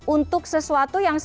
untuk sesuatu yang sama